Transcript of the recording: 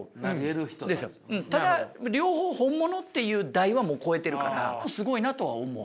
ただ両方本物っていう台はもう超えてるからすごいなとは思う。